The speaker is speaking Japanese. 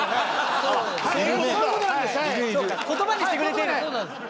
そうか言葉にしてくれてる。